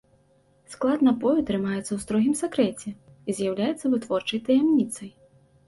Склад напою трымаецца ў строгім сакрэце і з'яўляецца вытворчай таямніцай.